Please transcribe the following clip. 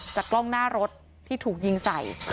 กล้องหน้ารถที่ถูกยิงใส่